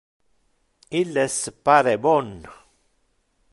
Illes pare bon.